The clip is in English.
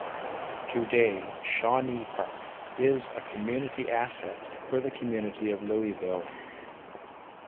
Today, Shawnee Park is a community asset for the community of Louisville.